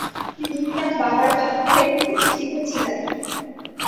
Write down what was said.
তিনি তার বাবার কাছ থেকেই শিখেছিলেন।